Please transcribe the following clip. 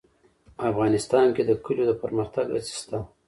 افغانستان کې د کلیو د پرمختګ هڅې شته.